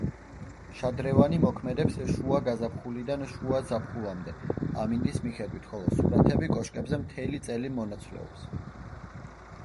შადრევანი მოქმედებს შუა გაზაფხულიდან შუა ზაფხულამდე ამინდის მიხედვით, ხოლო სურათები კოშკებზე მთელი წელი მონაცვლეობს.